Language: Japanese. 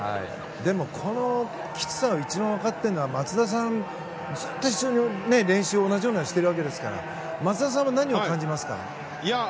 でも、このきつさを一番分かっているのは、松田さんずっと一緒に同じような練習をしていたわけですから何を感じますか？